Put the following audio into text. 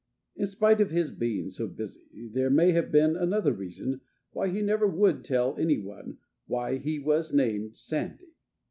In spite of his being so busy, there may have been another reason why he never would tell any one why he was named Sandy.